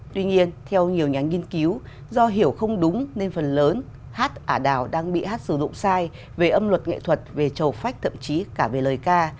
tuy nhiên theo nhiều nhà nghiên cứu do hiểu không đúng nên phần lớn hát ả đào đang bị hát sử dụng sai về âm luật nghệ thuật về trầu phách thậm chí cả về lời ca